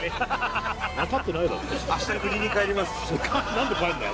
何で帰るんだよ